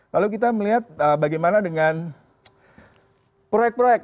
lalu kita melihat bagaimana dengan proyek proyek